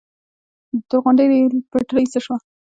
د تورغونډۍ ریل پټلۍ څه شوه؟